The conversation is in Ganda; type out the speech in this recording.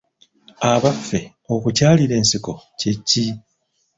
Abaffe okukyalira ensiko kye ki?